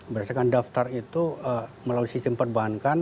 berdasarkan daftar itu melalui sistem perbankan